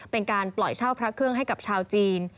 เป็นการปล่อยเช่าพระเครื่องให้กับชาวจีน